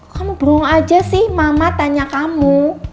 kamu beruang aja sih mama tanya kamu